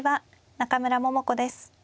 中村桃子です。